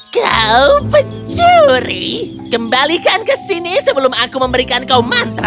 kau pencuri kembalikan ke sini sebelum aku memberikan kau mantra